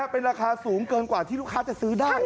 เป็นราคาสูงเกินกว่าที่ลูกค้าจะซื้อได้